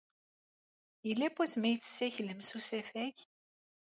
Yella wasmi ay tessaklem s usafag?